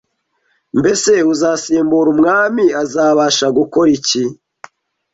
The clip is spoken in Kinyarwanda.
Mbese uzasimbura umwami azabasha gukora iki?